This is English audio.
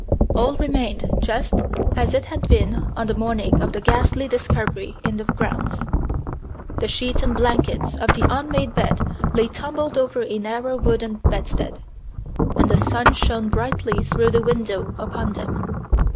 All remained just as it had been on the morning of the ghastly discovery in the grounds. The sheets and blankets of the unmade bed lay tumbled over a narrow wooden bedstead, and the sun shone brightly through the window upon them.